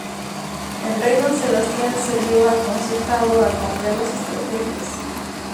El rey don Sebastián se vio aconsejado a cambiar las estrategias.